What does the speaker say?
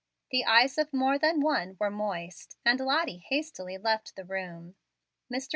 The eyes of more than one were moist, and Lottie hastily left the room. Mr.